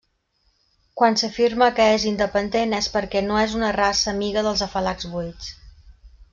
Quan s'afirma que és independent és perquè no és una raça amiga dels afalacs buits.